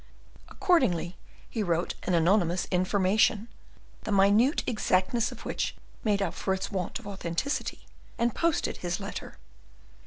Accordingly, he wrote an anonymous information, the minute exactness of which made up for its want of authenticity, and posted his letter.